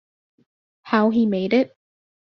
How he made it?